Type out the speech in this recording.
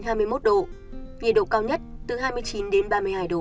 nhiệt độ cao nhất từ hai mươi chín đến ba mươi hai độ